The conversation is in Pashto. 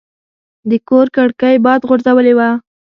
د کور کړکۍ باد غورځولې وه.